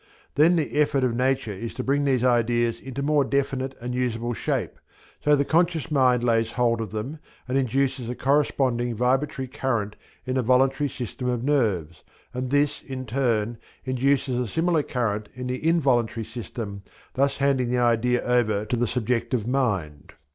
Then the effort of nature is to bring these ideas into more definite and usable shape, so the conscious mind lays hold of them and induces a corresponding vibratory current in the voluntary system of nerves, and this in turn induces a similar current in the involuntary system, thus handing the idea over to the subjective mind.